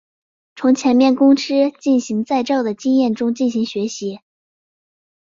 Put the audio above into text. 从前面公司进行再造的经验中进行学习。